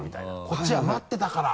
「こっちは待ってたから！」